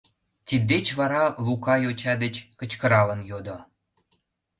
Тиддеч вара Лука йоча деч кычкыралын йодо: